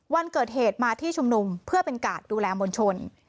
วันเกิดเหตุมาที่ชุมนุมเพื่อเป็นกาดดูแลมวลชน